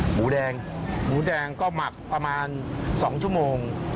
หมูแดงหมูแดงก็หมักประมาณ๒ชั่วโมง